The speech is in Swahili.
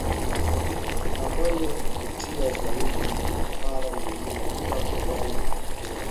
na mwenye kuvutia zaidi na mara nyingine bila kujali matokeo